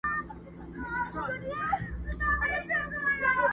مرغکیو به نارې پسي وهلې،